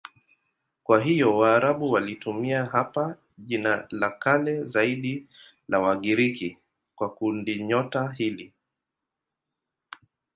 Kwa hiyo Waarabu walitumia hapa jina la kale zaidi la Wagiriki kwa kundinyota hili.